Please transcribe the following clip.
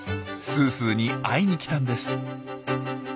すーすーに会いに来たんです。